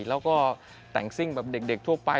แล้วก็แต่งซิ่งแบบเด็กทั่วไป